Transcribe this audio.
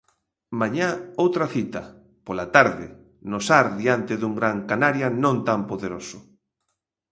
Mañá outra cita, pola tarde, no Sar diante dun Gran Canaria non tan poderoso.